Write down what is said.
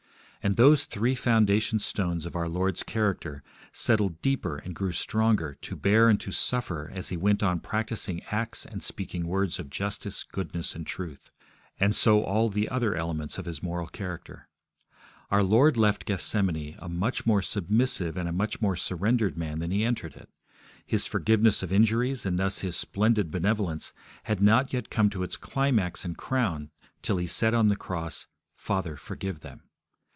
And those three foundation stones of our Lord's character settled deeper and grew stronger to bear and to suffer as He went on practising acts and speaking words of justice, goodness, and truth. And so of all the other elements of His moral character. Our Lord left Gethsemane a much more submissive and a much more surrendered man than He entered it. His forgiveness of injuries, and thus His splendid benevolence, had not yet come to its climax and crown till He said on the cross, 'Father, forgive them'.